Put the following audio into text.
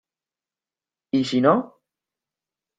¿ y si no...?